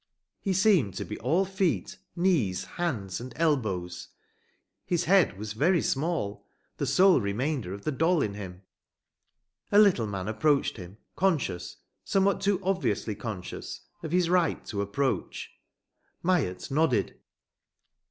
He seemed to be all feet, knees, hands and elbows. His head was very small the sole remainder of the doll in him. A little man approached him, conscious somewhat too obviously conscious of his right to approach. Myatt nodded.